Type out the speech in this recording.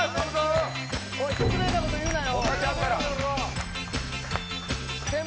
失礼なこと言うなよ。